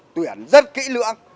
tuyển rất kỹ lưỡng